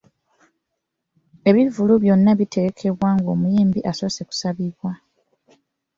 Ebivvulu byonna bitegekebwa ng’omuyimbi asoose kusabibwa.